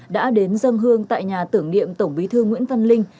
đã đến dân hương tại nhà tưởng niệm tổng bí thư nguyễn văn linh